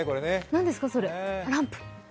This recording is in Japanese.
何ですか、それ、ランプ？